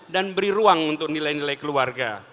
dan beri ruang untuk nilai nilai keluarga